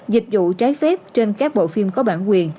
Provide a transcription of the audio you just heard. dịch vụ trái phép trên các bộ phim có bản quyền